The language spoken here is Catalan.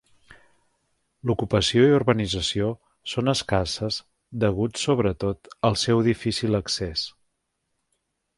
L'ocupació i urbanització són escasses hagut de sobretot al seu difícil accés.